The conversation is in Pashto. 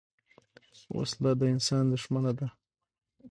وسله د انسان دښمنه ده